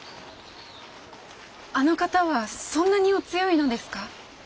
あの方はそんなにお強いのですか？